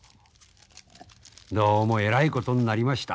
どうもえらいことになりました。